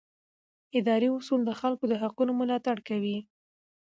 اداري اصول د خلکو د حقونو ملاتړ کوي.